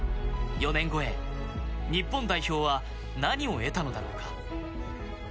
４年後へ日本代表は何を得たのだろうか。